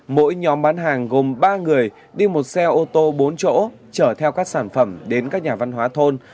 mỗi nhóm bán hàng gồm ba người đi một xe ô tô bốn chỗ chở theo các sản phẩm đến các nhà văn hóa thôn